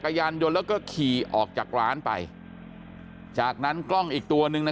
ยานยนต์แล้วก็ขี่ออกจากร้านไปจากนั้นกล้องอีกตัวหนึ่งนะ